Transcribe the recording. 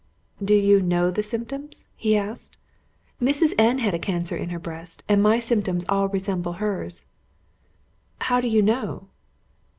"Do you know the symptoms?" he asked. "Mrs. N had a cancer in her breast, and my symptoms all resemble hers." "How do you know?"